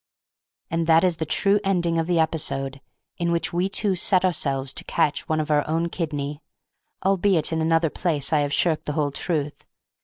And that is the true ending of the episode in which we two set ourselves to catch one of our own kidney, albeit in another place I have shirked the whole truth.